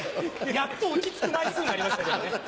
やっと落ち着く枚数になりましたけどね。